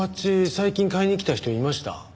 最近買いに来た人いました？